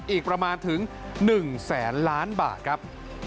อีกประมาณถึง๑แสนล้านบาทครับ